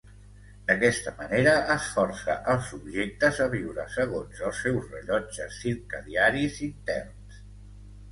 D'aquesta manera, es força els subjectes a viure segons els seus "rellotges" circadiaris interns.